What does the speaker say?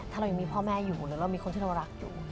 ถ้าเรายังมีพ่อแม่อยู่หรือเรามีคนที่เรารักอยู่